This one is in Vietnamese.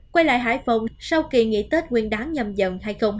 quay lại hải phòng sau khi nghỉ tết nguyên đán nhâm dần hai nghìn hai mươi hai